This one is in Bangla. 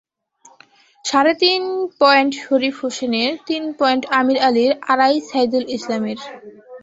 সাড়ে তিন পয়েন্ট শরীফ হোসেনের, তিন পয়েন্ট আমির আলীর, আড়াই সাইদুল ইসলামের।